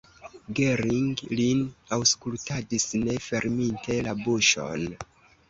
Gering lin aŭskultadis ne ferminte la buŝon.